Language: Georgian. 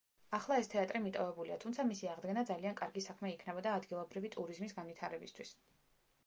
ახლა ეს თეატრი მიტოვებულია, თუმცა მისი აღდგენა ძალიან კარგი საქმე იქნებოდა ადგილობრივი ტურიზმის განვითარებისთვის.